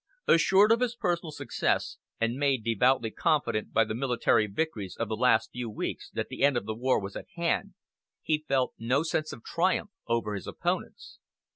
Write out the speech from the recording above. Assured of his personal success, and made devoutly confident by the military victories of the last few weeks that the end of the war was at hand, he felt no sense of triumph over his opponents.